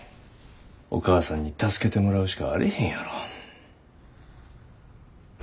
お義母さんに助けてもらうしかあれへんやろ。